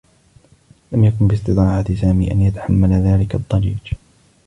لم يكن باستطاعة سامي أن يتحمّل ذلك الضّجيج.